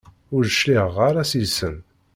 Ur d-cliɛeɣ ara seg-sen.